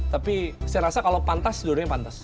tapi saya rasa kalau pantas dunia ini pantas